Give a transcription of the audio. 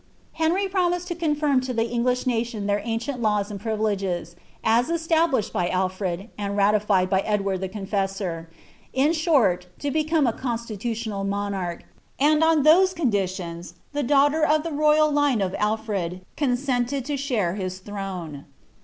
Henry promised to confirm to the English nation their ancient laws and privileges, as established by Alfred, and ratified by Edward the Confessor — in short, to become a constitutional monarch; and on those conditions the daughter of the royal line of Alfred con sented to share his throne.